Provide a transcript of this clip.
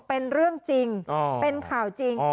เป็นเรื่องจริงเป็นข่าวจริง